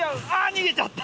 逃げちゃった！！